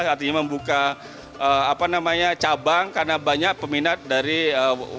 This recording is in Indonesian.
artinya membuka apa namanya cabang karena banyak peminat dari warung nasi pedas